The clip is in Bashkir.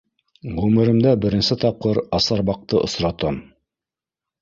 Ғүмеремдә беренсе тапҡыр асарбаҡты осратам.